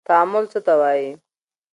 تعامل څه ته وايي.